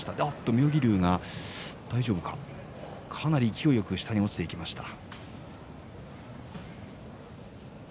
妙義龍が大丈夫かかなり勢いよく下に落ちていきました。